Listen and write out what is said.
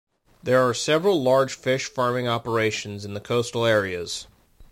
There are several large fish farming operations in the coastal areas.